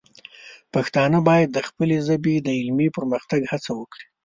پښتانه باید د خپلې ژبې د علمي پرمختګ هڅه وکړي.